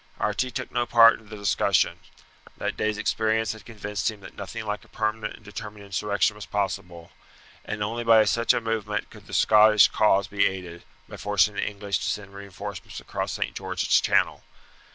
Archie took no part in the discussion. That day's experience had convinced him that nothing like a permanent and determined insurrection was possible, and only by such a movement could the Scottish cause be aided, by forcing the English to send reinforcements across St. George's Channel.